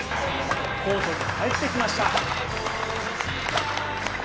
コートに帰ってきました。